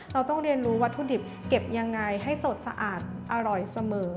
เราต้องเรียนรู้วัตถุดิบเก็บยังไงให้สดสะอาดอร่อยเสมอ